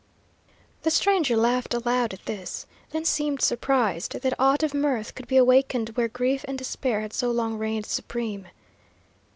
The stranger laughed aloud at this, then seemed surprised that aught of mirth could be awakened where grief and despair had so long reigned supreme.